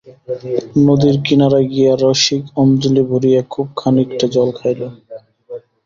নদীর কিনারায় গিয়া রসিক অঞ্জলি ভরিয়া খুব খানিকটা জল খাইল।